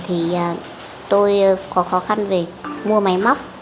thì tôi có khó khăn về mua máy móc